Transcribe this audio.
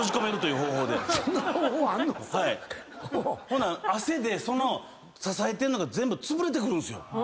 ほんなら汗でその支えてるのが全部つぶれてくるんですよ。